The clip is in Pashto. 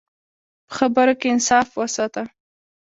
په خبرو کې انصاف وساته.